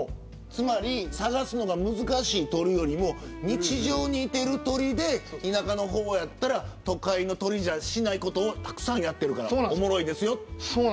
つまり探すのが難しい鳥よりも日常にいてる鳥で田舎の方やったら都会の鳥じゃしないことを、たくさんやっているからおもろいんですよ。